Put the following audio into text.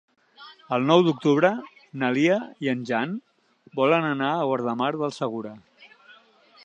El nou d'octubre na Lia i en Jan volen anar a Guardamar del Segura.